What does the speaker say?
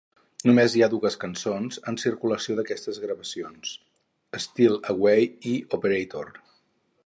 Només hi ha dues cançons en circulació d"aquestes gravacions: "Steal Away" i "Operator".